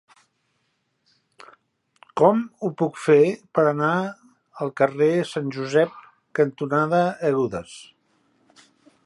Com ho puc fer per anar al carrer Sant Josep cantonada Agudes?